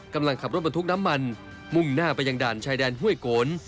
กำลังขับรถบรรทุกน้ำมันมุ่งหน้าไปยังด่านชายแดนห้วยโกน